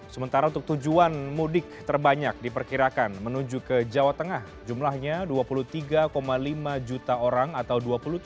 sementara untuk tujuan mudik terbanyak diperkirakan menuju ke jawa tengah jumlahnya dua puluh tiga lima juta orang atau dua puluh tujuh